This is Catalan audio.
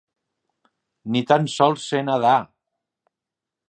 Ni tan sols sé nedar!